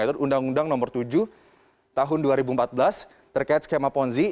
yaitu undang undang nomor tujuh tahun dua ribu empat belas terkait skema ponzi